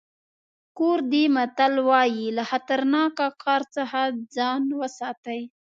کوردي متل وایي له خطرناکه کار څخه ځان وساتئ.